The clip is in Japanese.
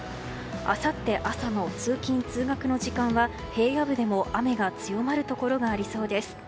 あさって朝の通勤・通学の時間は平野部でも雨が強まるところがありそうです。